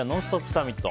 サミット。